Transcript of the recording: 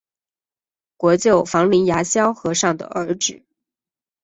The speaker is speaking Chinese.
国舅房林牙萧和尚的儿子。